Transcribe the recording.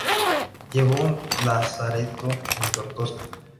Llevó un lazareto en Tortosa.